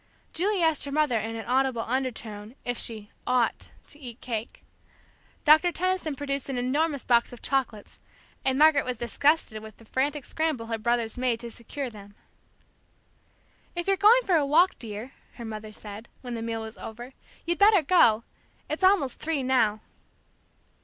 Julie asked her mother in an audible undertone if she "ought" to eat cake. Doctor Tenison produced an enormous box of chocolates, and Margaret was disgusted with the frantic scramble her brothers made to secure them. "If you're going for a walk, dear," her mother said, when the meal was over, "you'd better go. It's almost three now."